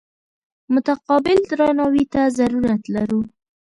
متقابل درناوي ته ضرورت لرو.